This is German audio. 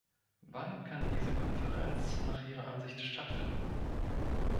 Wann kann diese Konferenz nach Ihrer Ansicht stattfinden?